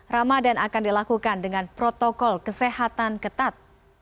ramadan akan dilakukan dengan protokol kesehatan ketat